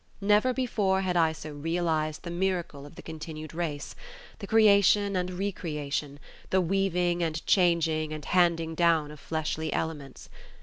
Never before had I so realised the miracle of the continued race, the creation and recreation, the weaving and changing and handing down of fleshly elements.